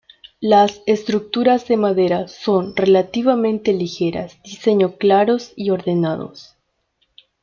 Las estructuras de madera son relativamente ligeras, diseño claros y ordenados.